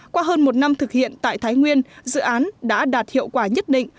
qua hơn một năm thực hiện tại thái nguyên dự án đã đạt hiệu quả nhất định